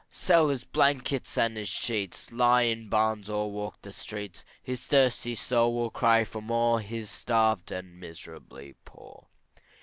Sell his blankets and his sheets, Lie in barns or walk the streets, His thirsty soul will cry for more, He's starved and miserably poor.